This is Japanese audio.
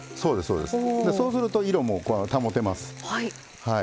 そうすると色も保てます。